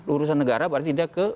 urusan negara berarti dia ke